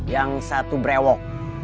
yang satu brewok